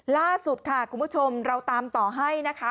ล่าสุดค่ะคุณผู้ชมเราตามต่อให้นะคะ